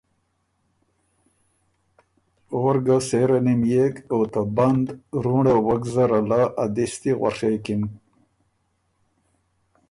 اور ګه سېره نِميېک او ته بند رونړه وک زره له ا دِستی غؤڒېکِن